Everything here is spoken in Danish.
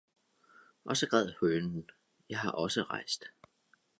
og så græd hønen Jeg har også rejst!